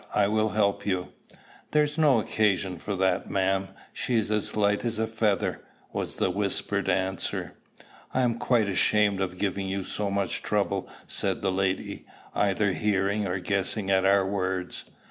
I will help you." "There's no occasion for that, ma'am: she's as light as a feather," was the whispered answer. "I am quite ashamed of giving you so much trouble," said the lady, either hearing or guessing at our words.